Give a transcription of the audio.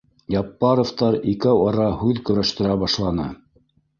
Яппаровтар икәү-ара һүҙ көрәштерә башланы